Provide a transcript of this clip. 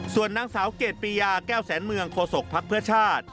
ส่วนนางสาวเกรดปียาแก้วแสนเมืองโคศกภักดิ์เพื่อชาติ